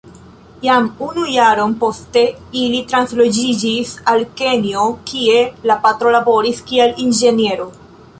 Jam unu jaron poste ili transloĝiĝis al Kenjo kie la patro laboris kiel inĝeniero.